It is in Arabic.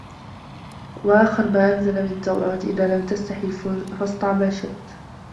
وَآخِرَ مَا نَزَلَ مِنْ التَّوْرَاةِ إذَا لَمْ تَسْتَحِ فَاصْنَعْ مَا شِئْت